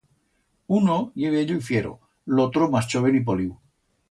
Uno ye viello y fiero, l'otro mas choven y poliu.